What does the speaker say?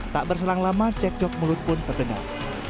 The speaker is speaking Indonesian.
tak berselang lama cek cok mulut pun terdengar